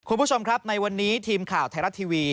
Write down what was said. คุณผู้ชมครับในวันนี้ทีมข่าวไทยรัฐทีวี